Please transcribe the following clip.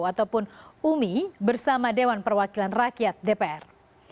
ataupun umi bersama dewan perwakilan rakyat dpr